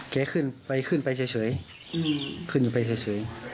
เก๊คุ่นไปเขื่อเฉย